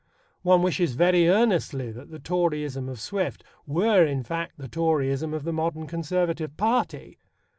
One wishes very earnestly that the Toryism of Swift were in fact the Toryism of the modern Conservative party.